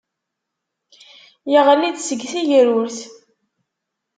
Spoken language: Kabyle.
Yeɣli-d seg tegrurt.